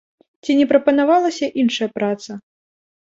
Ці не прапанавалася іншая праца?